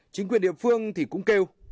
chính quyền địa phương thì cũng kêu